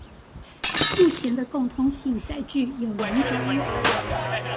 目前的共通性載具有兩種